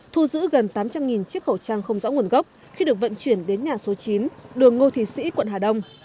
thu giữ gần tám trăm linh chiếc khẩu trang không rõ nguồn gốc khi được vận chuyển đến nhà số chín đường ngô thí sĩ quận hà đông